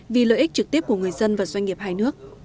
vì lợi ích trực tiếp của người dân và doanh nghiệp hai nước